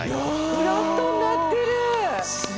フラットになってる。